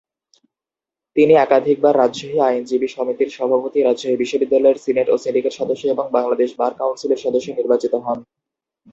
তিনি একাধিকবার রাজশাহী আইনজীবী সমিতির সভাপতি, রাজশাহী বিশ্ববিদ্যালয়ের সিনেট ও সিন্ডিকেট সদস্য এবং বাংলাদেশ বার কাউন্সিলের সদস্য নির্বাচিত হন।